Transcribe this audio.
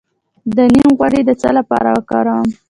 د نیم غوړي د څه لپاره وکاروم؟